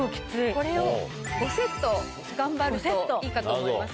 これを５セット頑張るといいかと思います。